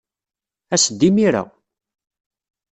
As-d imir-a.